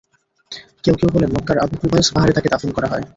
কেউ কেউ বলেন, মক্কার আবু কুবায়স পাহাড়ে তাকে দাফন করা হয়।